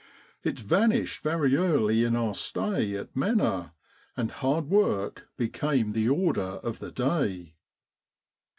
It vanished very early in our stay at Mena, and hard work became the order of the day.